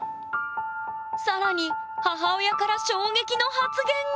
更に母親から衝撃の発言が！